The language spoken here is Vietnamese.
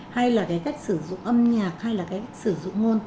hay là cái cách sử dụng âm nhạc hay là cái cách sử dụng ngôn từ